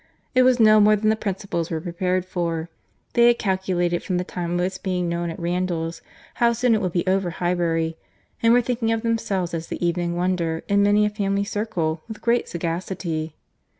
It was no more than the principals were prepared for; they had calculated from the time of its being known at Randalls, how soon it would be over Highbury; and were thinking of themselves, as the evening wonder in many a family circle, with great sagacity.